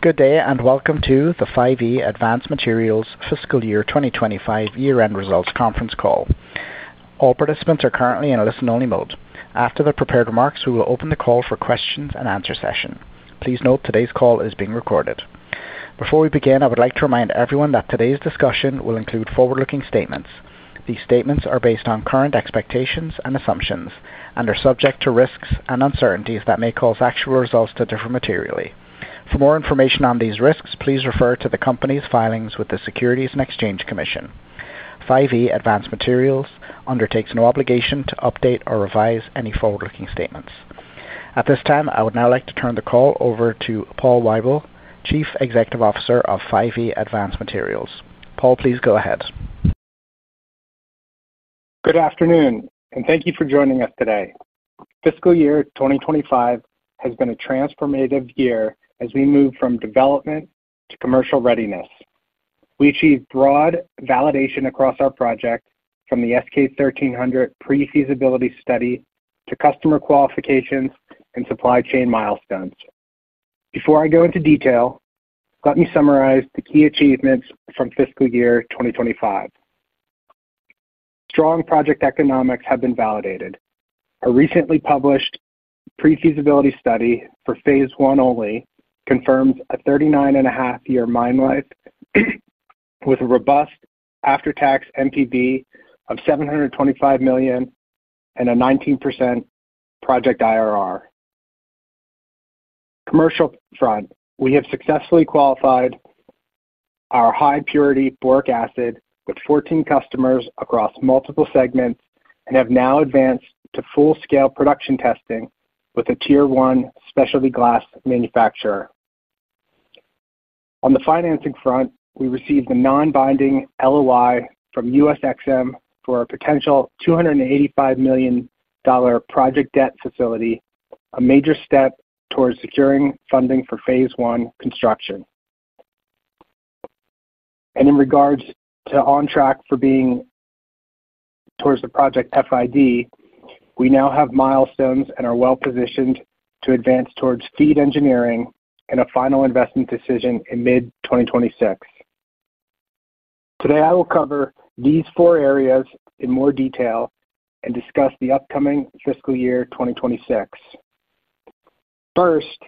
Good day and welcome to the 5E Advanced Materials Fiscal Year 2025 year-end results conference call. All participants are currently in listen-only mode. After the prepared remarks, we will open the call for questions and answer session. Please note today's call is being recorded. Before we begin, I would like to remind everyone that today's discussion will include forward-looking statements. These statements are based on current expectations and assumptions and are subject to risks and uncertainties that may cause actual results to differ materially. For more information on these risks, please refer to the company's filings with the Securities and Exchange Commission. 5E Advanced Materials undertakes no obligation to update or revise any forward-looking statements. At this time, I would now like to turn the call over to Paul Weibel, Chief Executive Officer of 5E Advanced Materials. Paul, please go ahead. Good afternoon, and thank you for joining us today. Fiscal Year 2025 has been a transformative year as we move from development to commercial readiness. We achieved broad validation across our project from the SK1300 pre-feasibility study to customer qualifications and supply chain milestones. Before I go into detail, let me summarize the key achievements from Fiscal Year 2025. Strong project economics have been validated. A recently published pre-feasibility study for phase one only confirms a 39.5 year mine life with a robust after-tax NPV of $725 million and a 19% project IRR. On the commercial front, we have successfully qualified our high-purity boric acid with 14 customers across multiple segments and have now advanced to full-scale production testing with a tier one specialty glass manufacturer. On the financing front, we received the non-binding LOI from USXM for a potential $285 million project debt facility, a major step towards securing funding for phase one construction. In regards to being on track for the project FID, we now have milestones and are well positioned to advance towards FEED engineering and a final investment decision in mid-2026. Today, I will cover these four areas in more detail and discuss the upcoming Fiscal Year 2026. First,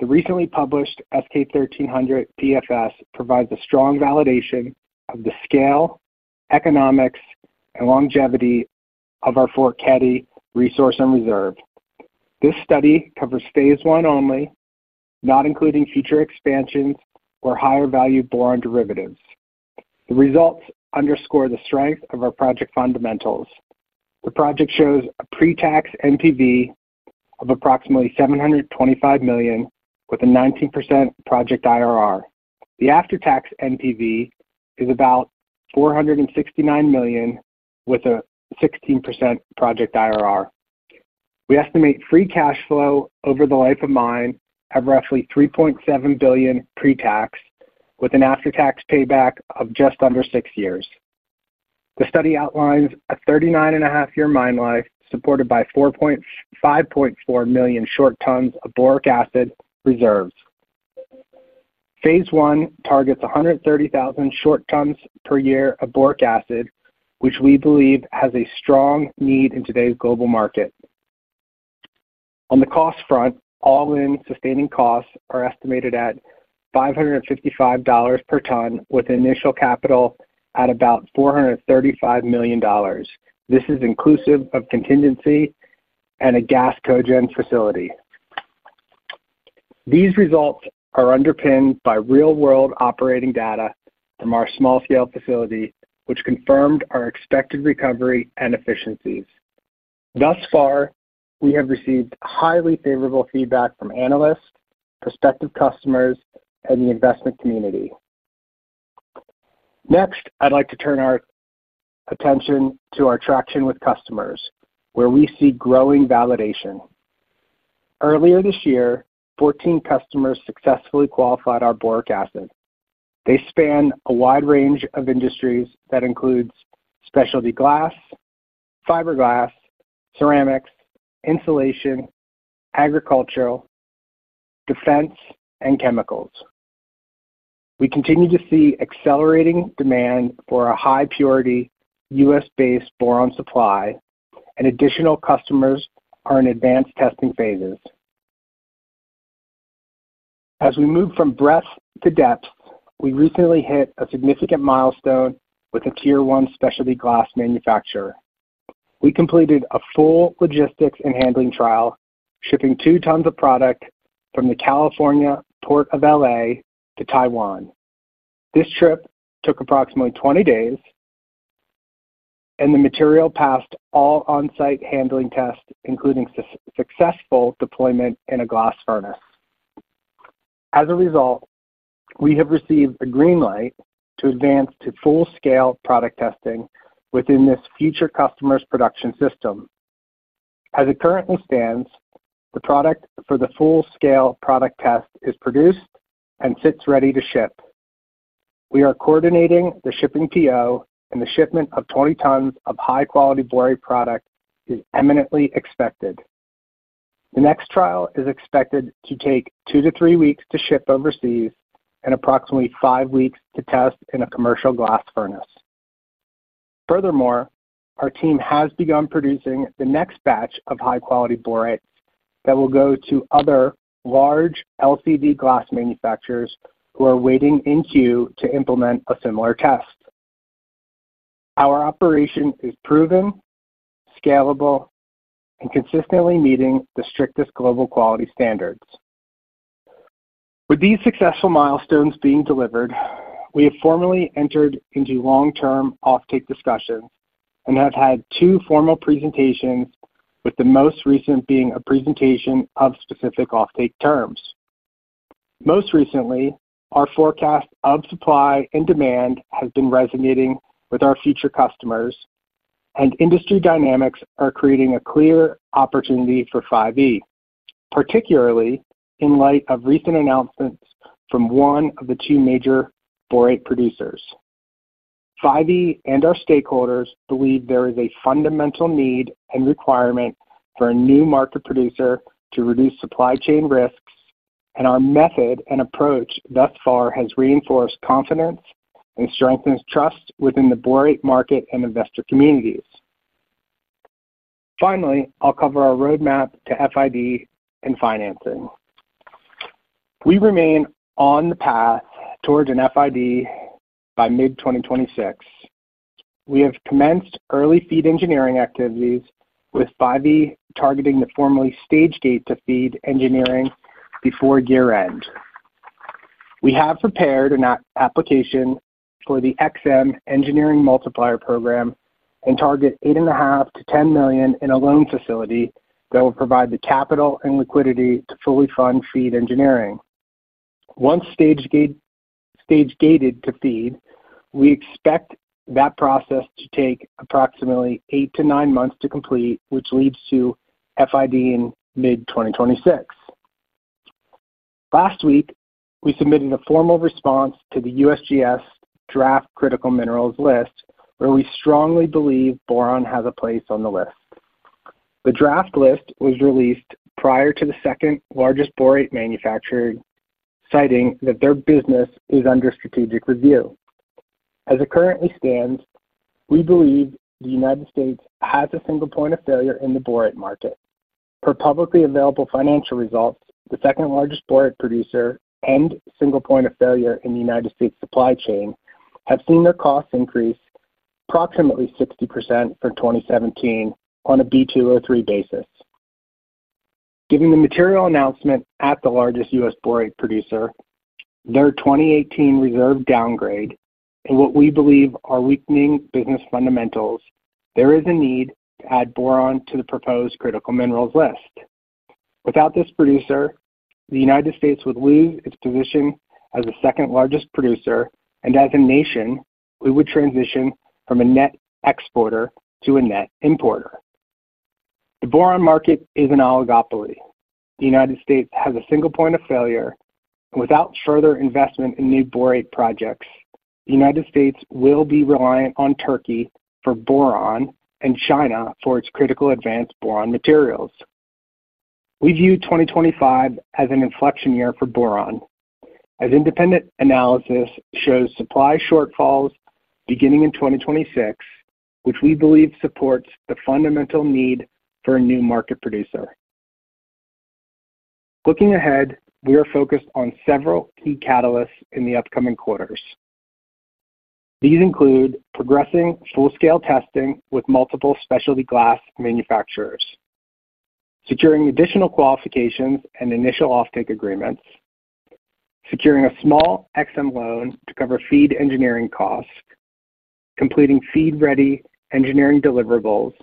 the recently published SK1300 pre-feasibility study provides a strong validation of the scale, economics, and longevity of our Fort Cady resource and reserve. This study covers phase one only, not including future expansions or higher value boron derivatives. The results underscore the strength of our project fundamentals. The project shows a pre-tax NPV of approximately $725 million with a 19% project IRR. The after-tax NPV is about $469 million with a 16% project IRR. We estimate free cash flow over the life of mine at roughly $3.7 billion pre-tax with an after-tax payback of just under six years. The study outlines a 39.5 year mine life supported by 5.4 million short tons of boric acid reserves. Phase one targets 130,000 short tons per year of boric acid, which we believe has a strong need in today's global market. On the cost front, all-in sustaining costs are estimated at $555 per ton with initial capital at about $435 million. This is inclusive of contingency and a gas cogeneration facility. These results are underpinned by real-world operating data from our small-scale facility, which confirmed our expected recovery and efficiencies. Thus far, we have received highly favorable feedback from analysts, prospective customers, and the investment community. Next, I'd like to turn our attention to our traction with customers, where we see growing validation. Earlier this year, 14 customers successfully qualified our boric acid. They span a wide range of industries that includes specialty glass, fiberglass, ceramics, insulation, agricultural, defense, and chemicals. We continue to see accelerating demand for a high-purity U.S.-based boron supply, and additional customers are in advanced testing phases. As we move from breadth to depth, we recently hit a significant milestone with a tier one specialty glass manufacturer. We completed a full logistics and handling trial, shipping two tons of product from the California port of LA to Taiwan. This trip took approximately 20 days, and the material passed all on-site handling tests, including successful deployment in a glass furnace. As a result, we have received a green light to advance to full-scale product testing within this future customer's production system. As it currently stands, the product for the full-scale product test is produced and sits ready to ship. We are coordinating the shipping PO, and the shipment of 20 tons of high-quality boric acid product is imminently expected. The next trial is expected to take two to three weeks to ship overseas and approximately five weeks to test in a commercial glass furnace. Furthermore, our team has begun producing the next batch of high-quality boric acid that will go to other large LCD glass manufacturers who are waiting in queue to implement a similar test. Our operation is proven, scalable, and consistently meeting the strictest global quality standards. With these successful milestones being delivered, we have formally entered into long-term offtake discussions and have had two formal presentations, with the most recent being a presentation of specific offtake terms. Most recently, our forecast of supply and demand has been resonating with our future customers, and industry dynamics are creating a clear opportunity for 5E Advanced Materials, particularly in light of recent announcements from one of the two major boric acid producers. 5E Advanced Materials and our stakeholders believe there is a fundamental need and requirement for a new market producer to reduce supply chain risks, and our method and approach thus far has reinforced confidence and strengthened trust within the boric acid market and investor communities. Finally, I'll cover our roadmap to FID and financing. We remain on the path towards an FID by mid-2026. We have commenced early FEED engineering activities, with 5E targeting the formally staged gate to FEED engineering before year-end. We have prepared an application for the XM Engineering Multiplier Program and target $8.5 to $10 million in a loan facility that will provide the capital and liquidity to fully fund FEED engineering. Once stage-gated to FEED, we expect that process to take approximately eight to nine months to complete, which leads to FID in mid-2026. Last week, we submitted a formal response to the U.S. Geological Survey draft critical minerals list, where we strongly believe boron has a place on the list. The draft list was released prior to the second largest boric acid manufacturer, citing that their business is under strategic review. As it currently stands, we believe the United States has a single point of failure in the boric acid market. Per publicly available financial results, the second largest boric acid producer and single point of failure in the United States supply chain have seen their costs increase approximately 60% from 2017 on a B2O3 basis. Given the material announcement at the largest U.S. boric acid producer, their 2018 reserve downgrade, and what we believe are weakening business fundamentals, there is a need to add boron to the proposed critical minerals list. Without this producer, the United States would lose its position as the second largest producer, and as a nation, we would transition from a net exporter to a net importer. The boron market is an oligopoly. The United States has a single point of failure, and without further investment in new boric acid projects, the United States will be reliant on Turkey for boron and China for its critical advanced boron materials. We view 2025 as an inflection year for boron, as independent analysis shows supply shortfalls beginning in 2026, which we believe supports the fundamental need for a new market producer. Looking ahead, we are focused on several key catalysts in the upcoming quarters. These include progressing full-scale testing with multiple specialty glass manufacturers, securing additional qualifications and initial offtake agreements, securing a small XM loan to cover FEED engineering costs, completing FEED-ready engineering deliverables,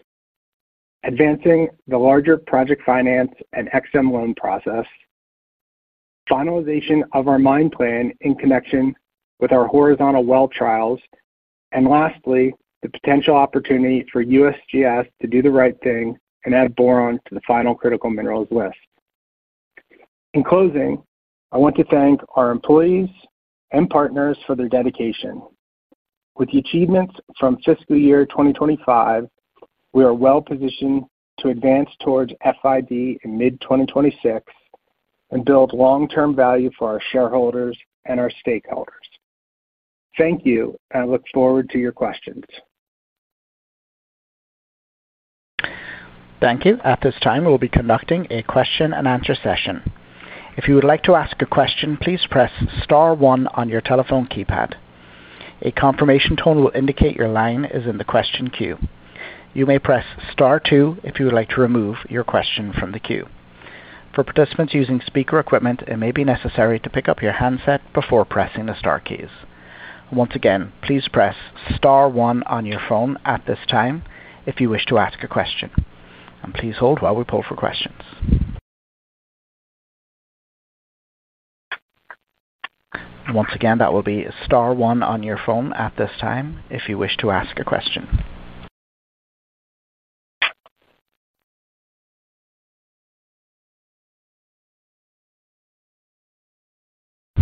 advancing the larger project finance and XM loan process, finalization of our mine plan in connection with our horizontal well trials, and lastly, the potential opportunity for the U.S. Geological Survey to do the right thing and add boron to the final critical minerals list. In closing, I want to thank our employees and partners for their dedication. With the achievements from Fiscal Year 2025, we are well positioned to advance towards FID in mid-2026 and build long-term value for our shareholders and our stakeholders. Thank you, and I look forward to your questions. Thank you. At this time, we'll be conducting a question and answer session. If you would like to ask a question, please press star one on your telephone keypad. A confirmation tone will indicate your line is in the question queue. You may press star two if you would like to remove your question from the queue. For participants using speaker equipment, it may be necessary to pick up your handset before pressing the star keys. Once again, please press star one on your phone at this time if you wish to ask a question, and please hold while we pull for questions. Once again, that will be star one on your phone at this time if you wish to ask a question.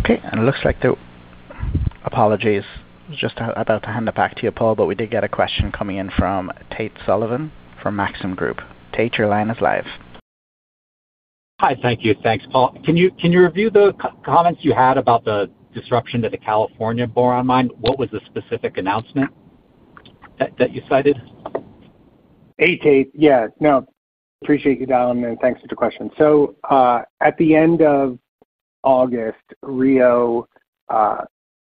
Okay, it looks like the apologies. I was just about to hand it back to you, Paul, but we did get a question coming in from Tate Sullivan from Maxim Group. Tate, your line is live. Hi, thank you. Thanks, Paul. Can you review the comments you had about the disruption to the California boron mine? What was the specific announcement that you cited? Hey, Tate. Yeah, no, appreciate you, Donald, and thanks for the question. At the end of August, Rio,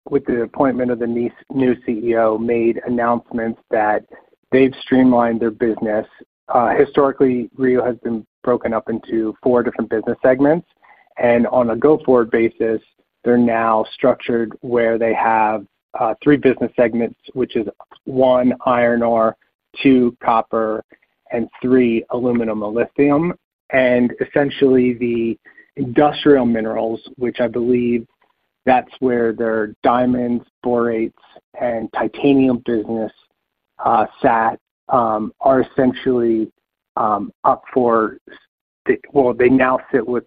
with the appointment of the new CEO, made announcements that they've streamlined their business. Historically, Rio has been broken up into four different business segments, and on a go-forward basis, they're now structured where they have three business segments, which is one, iron ore, two, copper, and three, aluminum and lithium. Essentially, the industrial minerals, which I believe that's where their diamonds, borates, and titanium business sat, are now with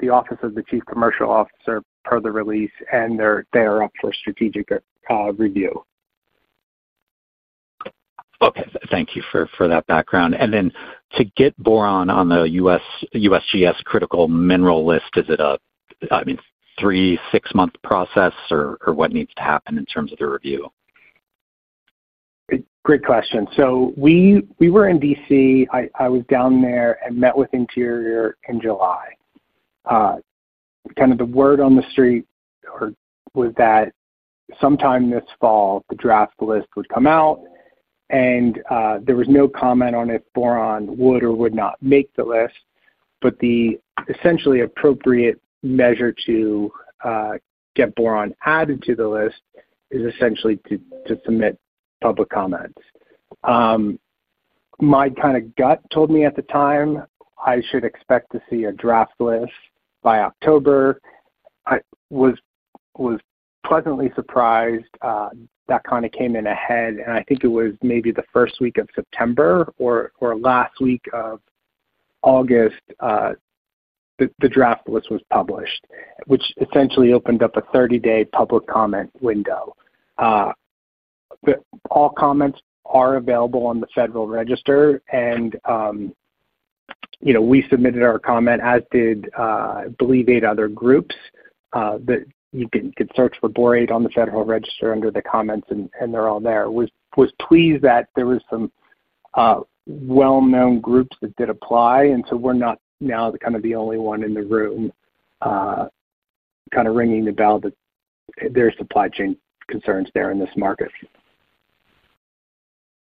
the Office of the Chief Commercial Officer per the release, and they are up for strategic review. Okay, thank you for that background. To get boron on the U.S. Geological Survey critical minerals list, is it a, I mean, three, six-month process or what needs to happen in terms of the review? Great question. We were in D.C. I was down there and met with Interior in July. Kind of the word on the street was that sometime this fall, the draft list would come out, and there was no comment on if boron would or would not make the list, but the essentially appropriate measure to get boron added to the list is essentially to submit public comments. My kind of gut told me at the time I should expect to see a draft list by October. I was pleasantly surprised, that kind of came in ahead, and I think it was maybe the first week of September or last week of August, the draft list was published, which essentially opened up a 30-day public comment window. All comments are available on the Federal Register, and we submitted our comment as did, I believe, eight other groups, that you can search for boron on the Federal Register under the comments, and they're all there. I was pleased that there were some well-known groups that did apply, and now we're not kind of the only one in the room, kind of ringing the bell that there's supply chain concerns there in this market.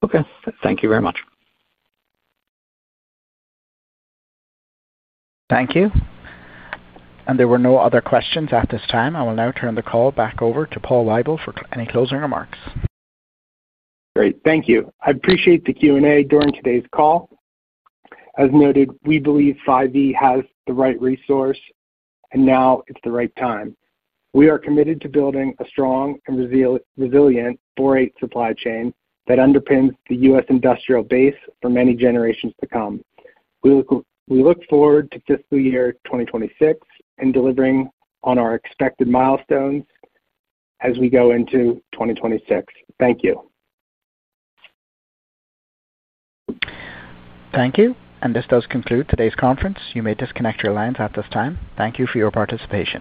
Okay. Thank you very much. Thank you. There were no other questions at this time. I will now turn the call back over to Paul Weibel for any closing remarks. Great. Thank you. I appreciate the Q&A during today's call. As noted, we believe 5E Advanced Materials has the right resource, and now it's the right time. We are committed to building a strong and resilient boric supply chain that underpins the U.S. industrial base for many generations to come. We look forward to Fiscal Year 2026 and delivering on our expected milestones as we go into 2026. Thank you. Thank you. This does conclude today's conference. You may disconnect your lines at this time. Thank you for your participation.